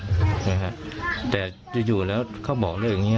ใช่ไหมฮะแต่อยู่อยู่แล้วเขาบอกเลิกอย่างเงี้ย